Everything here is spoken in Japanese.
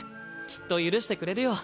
きっと許してくれるよ。